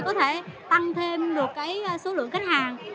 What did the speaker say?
có thể tăng thêm được số lượng khách hàng